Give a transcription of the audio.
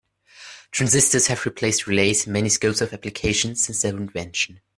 Transistors have replaced relays in many scopes of application since their invention.